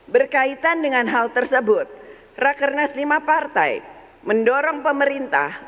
berkaitan dengan hal tersebut rakernas lima partai mendorong pemerintah